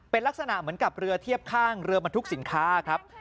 เป็นลักษณะเหมือนกับเรือเทียบข้างเรือบรรทุกสินค้าครับ